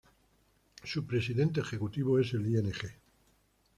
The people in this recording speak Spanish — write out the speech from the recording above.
Su presidente ejecutivo es el Ing.